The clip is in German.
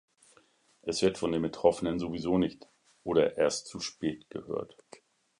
Es wird von den Betroffenen sowieso nicht oder erst zu spät gehört.